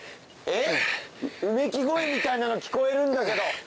えっうめき声みたいなの聞こえるんだけど。